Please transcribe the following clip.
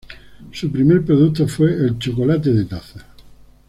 Su primer producto fue el chocolate de taza.